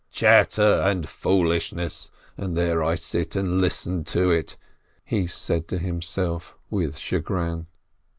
"Chatter and foolishness ! And there I sit and listen to it !" he said to himself with chagrin.